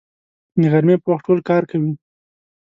د غرمې په وخت ټول کار کوي